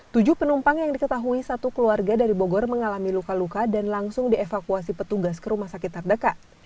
tujuh penumpang yang diketahui satu keluarga dari bogor mengalami luka luka dan langsung dievakuasi petugas ke rumah sakit terdekat